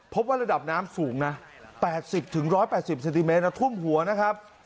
พบว่าระดับน้ำสูงนะ๘๐๑๘๐เซนติเมตรทุ่มหัวนะครับ